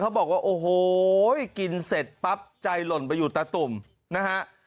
บอกว่าโอ้โหกินเสร็จปั๊บใจหล่นไปอยู่ตาตุ่มนะฮะ